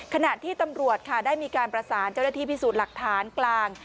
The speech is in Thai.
ขณะที่ตำรวจค่ะได้มีการประสานเจ้าหน้าที่พิสูจน์หลักฐานกลาง